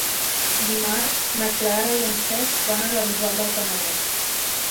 Dimarts na Clara i en Cesc van a la Bisbal del Penedès.